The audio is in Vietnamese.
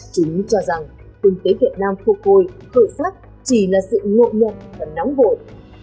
chúng cho rằng kinh tế việt nam phục hồi khởi sắc chỉ là sự ngộ nhộn và nóng vội